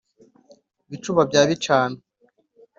bicuba bya bicano